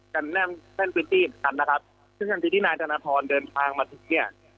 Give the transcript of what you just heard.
กับแน่นพื้นที่เห็นกันซึ่งที่ทีที่นายทานพอร์นเดินทางมาถึง